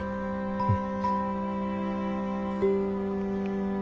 うん。